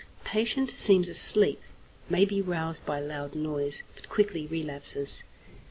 Patient seems asleep; may be roused by loud noise, but quickly relapses.